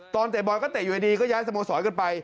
เตะบอลก็เตะอยู่ดีก็ย้ายสโมสรกันไป